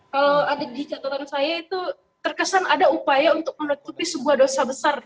kalau ada di catatan saya itu terkesan ada upaya untuk menutupi sebuah dosa besar